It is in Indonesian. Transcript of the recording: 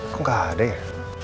kok gak ada ya